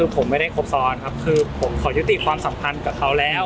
ผมไม่ได้ครบซ้อนครับคือผมขอยุติความสัมพันธ์กับเขาแล้ว